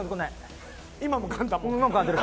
今もかんでる。